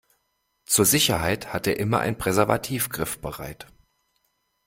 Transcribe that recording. Zur Sicherheit hat er immer ein Präservativ griffbereit.